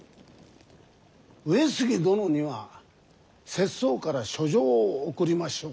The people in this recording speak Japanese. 上杉殿には拙僧から書状を送りましょう。